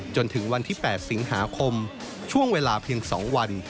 จนถึงวันที่๘สิงหาคมช่วงเวลาเพียง๒วัน